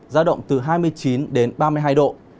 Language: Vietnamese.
giao động từ hai mươi chín đến ba mươi hai độ